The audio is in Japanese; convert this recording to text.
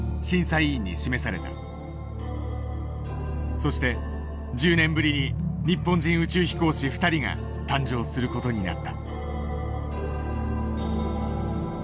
そして１０年ぶりに日本人宇宙飛行士２人が誕生する事になった。